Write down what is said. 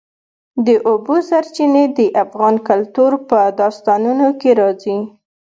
د اوبو سرچینې د افغان کلتور په داستانونو کې راځي.